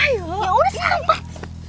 ya udah sumpah